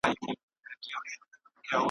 هر وګړی پر فطرت وي زېږېدلی .